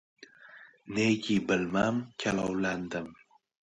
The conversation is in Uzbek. Neki bilmam – kalovlandim.